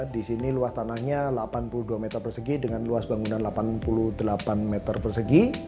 di sini luas tanahnya delapan puluh dua meter persegi dengan luas bangunan delapan puluh delapan meter persegi